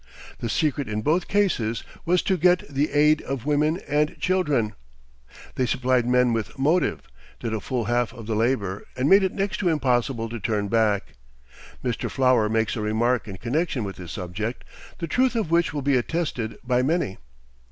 The secret in both cases was to get the aid of women and children! They supplied men with motive, did a full half of the labor, and made it next to impossible to turn back. Mr. Flower makes a remark in connection with this subject, the truth of which will be attested by many.